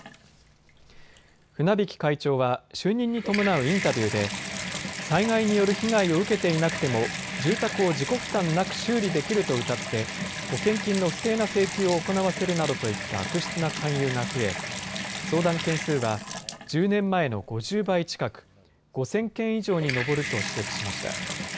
舩曵会長は就任に伴うインタビューで災害による被害を受けていなくても住宅を自己負担なく修理できるとうたって保険金の不正な請求を行わせるなどといった悪質な勧誘が増え、相談件数は１０年前の５０倍近く、５０００件以上に上ると指摘しました。